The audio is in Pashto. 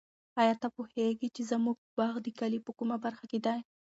آیا ته پوهېږې چې زموږ باغ د کلي په کومه برخه کې دی؟